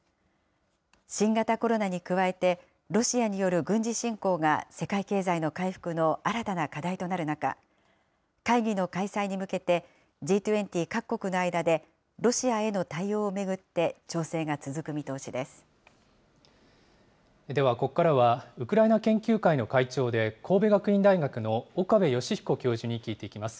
新型コロナに加えて、ロシアによる軍事侵攻が世界経済の回復の新たな課題となる中、会議の開催に向けてＧ２０各国の間で、ロシアへの対応を巡って調ではここからは、ウクライナ研究会の会長で、神戸学院大学の岡部芳彦教授に聞いていきます。